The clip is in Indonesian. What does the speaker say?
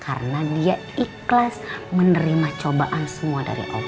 karena dia ikhlas menerima cobaan semua dari allah